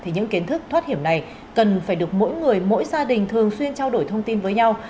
những kiến thức thoát hiểm này cần phải được mỗi người mỗi gia đình thường xuyên trao đổi thông tin với nhau